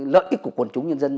lợi ích của quận chủ nhân dân